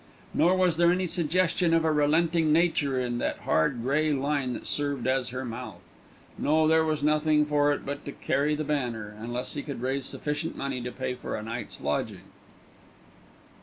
Nor was there any suggestion of a relenting nature in that hard grey line that served her as a mouth. No, there was nothing for it but to "carry the banner," unless he could raise sufficient money to pay for a night's lodging.